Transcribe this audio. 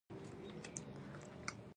د وسله والو قواؤ لویه سر مشري کوي.